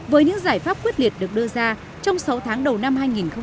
với những giải pháp quyết liệt được đưa ra trong sáu tháng đầu năm hai nghìn hai mươi